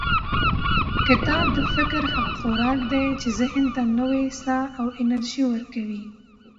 کتاب د فکر هغه خوراک دی چې ذهن ته نوې ساه او انرژي ورکوي.